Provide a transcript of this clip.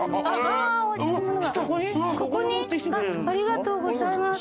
ありがとうございます。